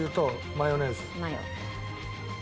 マヨ。